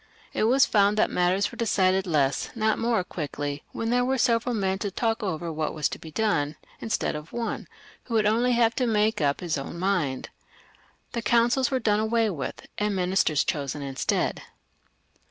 It was found that matters were settled less, not more, quickly when there were several men to talk over what was to be done, instead of one, who would only have had to make up his own mind. The coimcils were done away with, and ministers chosen instead.